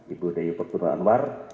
ibu dewi perturungan war